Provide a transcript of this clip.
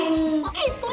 tenang tenang tenang